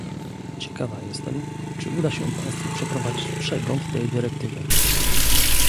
Ciekawa jestem, czy uda się państwu przeprowadzić przegląd tej dyrektywy